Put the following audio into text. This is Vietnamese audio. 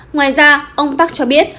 ngoài ra ông park cho biết